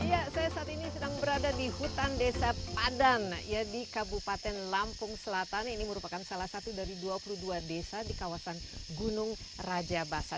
iya saya saat ini sedang berada di hutan desa padan di kabupaten lampung selatan ini merupakan salah satu dari dua puluh dua desa di kawasan gunung raja basah